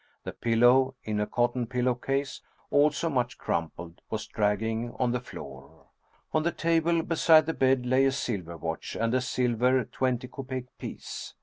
The pillow, in a cotton pillow case, also much crumpled, was dragging on the floor. On the table beside the bed lay a silver watch and a silver twenty kopeck piece.